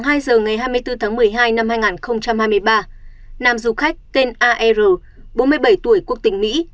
khoảng hai giờ ngày hai mươi bốn tháng một mươi hai năm hai nghìn hai mươi ba nàm du khách tên a r bốn mươi bảy tuổi quốc tỉnh mỹ